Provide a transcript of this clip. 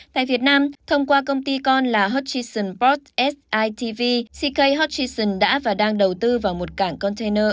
tại việt nam thông qua công ty con là hutchinson port sitv ck hutchinson đã và đang đầu tư vào một cảng container